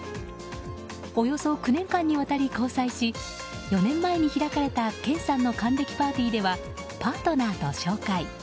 およそ９年間にわたり交際し４年前に開かれた謙さんの還暦パーティーではパートナーと紹介。